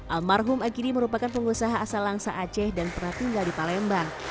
almarhum akidi merupakan pengusaha asal langsa aceh dan pernah tinggal di palembang